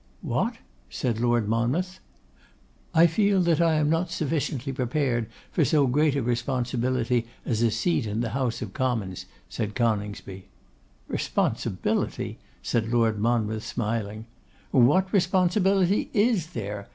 'What?' said Lord Monmouth. 'I feel that I am not sufficiently prepared for so great a responsibility as a seat in the House of Commons,' said Coningsby. 'Responsibility!' said Lord Monmouth, smiling. 'What responsibility is there?